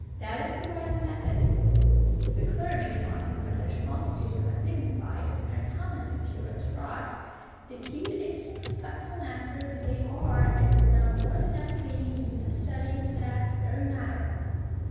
That is the wiser method! The Clergy, among whom are such a multitude of Undignified, of mere Commons in Curates' frocks, depute instant respectful answer that they are, and will now more than ever be, in deepest study as to that very matter.